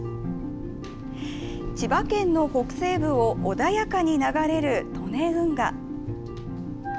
千葉県の北西部を穏やかに流れる利根運河。